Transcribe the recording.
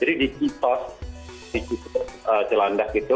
jadi di kitos di kitos jelanda gitu